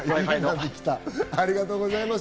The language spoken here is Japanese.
ありがとうございます。